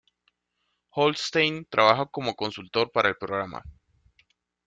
Holstein trabaja como consultor para el programa.